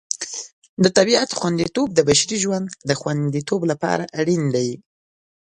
د طبیعت خوندیتوب د بشري ژوند د خوندیتوب لپاره اړین دی.